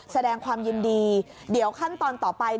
แสดงความยินดีเดี๋ยวขั้นตอนต่อไป